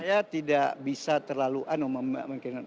saya tidak bisa terlalu memikirkan